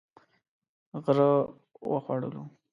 غره و خوړلو.